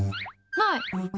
ない！